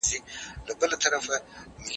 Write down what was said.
مستقیمه پانګونه هېواد ابادوي.